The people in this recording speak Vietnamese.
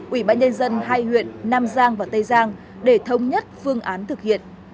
ủy bán nhân dân hai huyện nam giang và tây giang để thông nhất phương án thực hiện